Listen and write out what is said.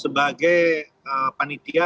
sebagai panitia atau penelitian